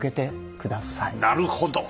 なるほど。